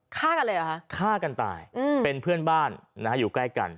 ฆ่ากันเลยเหรอฮะฆ่ากันตายเป็นเพื่อนบ้านนะฮะอยู่ใกล้กัน